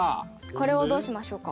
これをどうしましょうか？